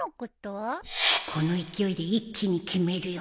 この勢いで一気に決めるよ！